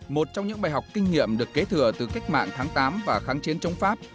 một trong những bài học kinh nghiệm được kế thừa từ cách mạng tháng tám và kháng chiến chống pháp